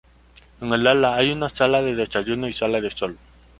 En el ala hay una sala de desayunos y sala de sol.